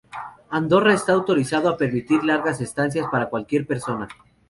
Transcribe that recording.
Andorra está autorizado a permitir largas estancias para cualquier persona.